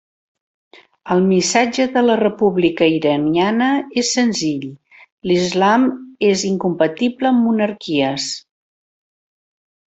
El missatge de la república iraniana és senzill, l'Islam és incompatible amb monarquies.